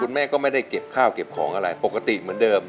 แม่ก็ไม่ได้เก็บข้าวเก็บของอะไรปกติเหมือนเดิม